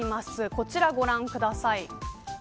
こちらご覧ください。